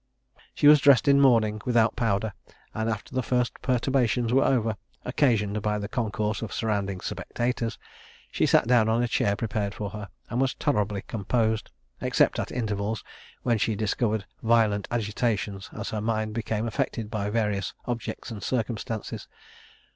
She was dressed in mourning, without powder; and, after the first perturbations were over, occasioned by the concourse of surrounding spectators, she sat down on a chair prepared for her, and was tolerably composed, except at intervals, when she discovered violent agitations, as her mind became affected by various objects and circumstances.